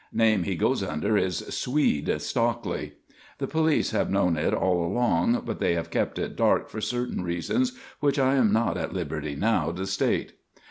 Name he goes under is 'Swede' Stockley. The police have known it all along but they have kept it dark for certain reasons which I am not at liberty now to state.